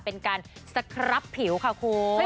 เป็นการสครับผิวค่ะคุณ